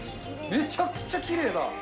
めちゃくちゃきれいだ。